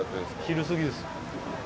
昼過ぎです。